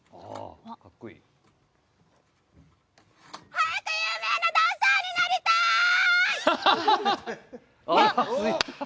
早く有名なダンサーになりたい！